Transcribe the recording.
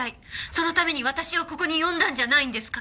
そのために私をここに呼んだんじゃないんですか？